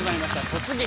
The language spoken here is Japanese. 「突撃！